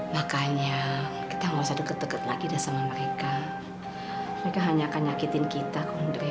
makanya kita nggak usah deket deket lagi deh sama mereka mereka hanya akan nyakitin kita ke andre